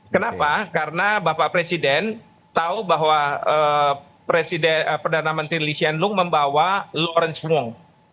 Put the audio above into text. kenapa karena bapak presiden tahu bahwa perdana menteri lee hsien loong membawa lawrence wong